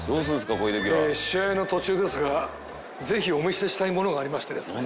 こういう時は」試合の途中ですがぜひお見せしたいものがありましてですね。